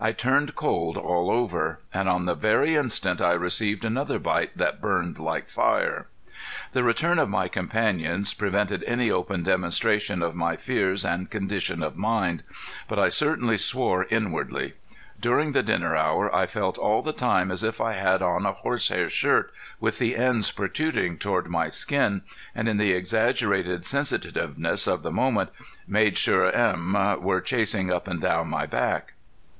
I turned cold all over. And on the very instant I received another bite that burned like fire. The return of my companions prevented any open demonstration of my fears and condition of mind, but I certainly swore inwardly. During the dinner hour I felt all the time as if I had on a horsehair shirt with the ends protruding toward my skin, and, in the exaggerated sensitiveness of the moment, made sure "'em" were chasing up and down my back.